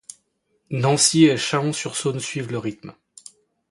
Nancy et Chalon-sur-Saône suivent le rythme.